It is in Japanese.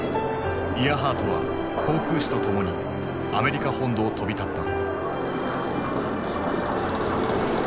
イアハートは航空士とともにアメリカ本土を飛び立った。